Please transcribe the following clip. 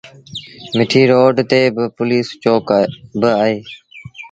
مٺيٚ روڊ تي پوُليٚس چوڪيٚ با اهي۔